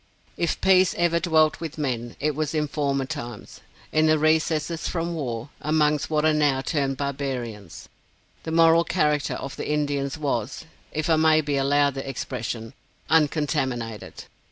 If peace ever dwelt with men, it was in former times, in the recesses from war, amongst what are now termed barbarians. The moral character of the Indians was (if I may be allowed the expression) uncontaminated.